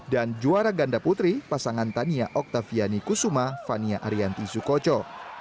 dan juara ganda putri pasangan tania oktaviani kusuma fania arianti sukocho